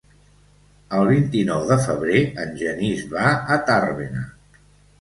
El vint-i-nou de febrer en Genís va a Tàrbena.